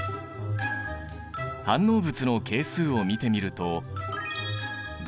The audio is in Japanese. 反応物の係数を見てみるとどちらも１。